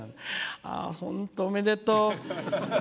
本当、おめでとう。